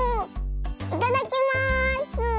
いただきます！